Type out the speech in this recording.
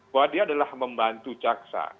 bahwa dia adalah membantu caksa